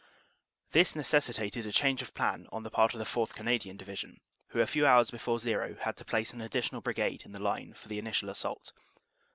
This necessitated a change of plan on the part of the 4th. Canadian Division, who a few hours before zero had to place an additional Brigade in the line for the initial assault.